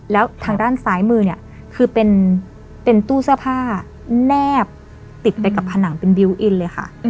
แล้วทางด้านซ้ายมือเนี่ยคือเป็นตู้เสื้อผ้าแนบติดไปกับผนังเป็นบิวตอินเลยค่ะ